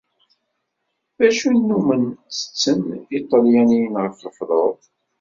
D acu i nnumen ttetten Yiṭelyaniyen ɣer lefḍur?